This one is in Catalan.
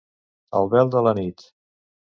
El vel de la nit.